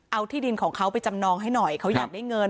เอาที่ดินของเขาไปจำนองให้หน่อยเขาอยากได้เงิน